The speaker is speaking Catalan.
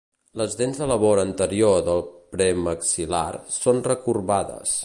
Les dents de la vora anterior del premaxil·lar són recorbades.